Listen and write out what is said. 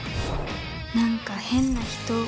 何か変な人。